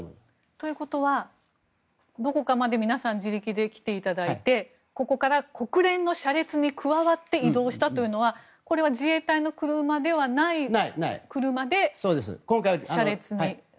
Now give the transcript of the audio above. ということはどこかまで皆さん自力で来ていただいてここから国連の車列に加わって移動したというのはこれは自衛隊の車ではない車で車列に加わった。